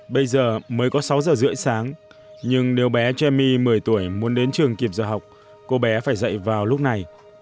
bây giờ mới có sáu giờ rưỡi sáng nhưng nếu bé trai my một mươi tuổi muốn đến trường kịp giờ học cô bé phải dạy vào lúc này